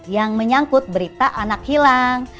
yang menyangkut berita anak hilang